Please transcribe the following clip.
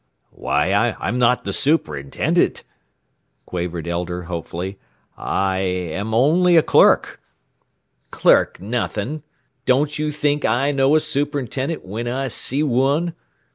"Why, I'm not the superintendent," quavered Elder hopefully. "I am only a clerk." "Clerk nothing! Don't you think I know a superintendent when I see one?